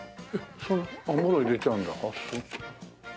あっもろ入れちゃうんだ。